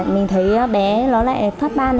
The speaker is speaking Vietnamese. mình thấy bé nó lại phát ban